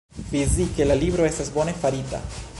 Fizike, la libro estas bone farita.